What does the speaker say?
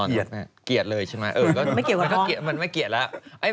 เกลียดเกลียดเลยใช่ไหมไม่เกี่ยวกับท้อง